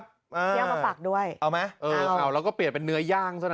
ย่างมาฝักด้วยเอาไหมเออเฝ่าแล้วก็เปลี่ยนเป็นเนื้อย่างซะนะ